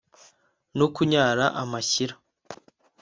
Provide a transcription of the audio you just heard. no kunyara amashyira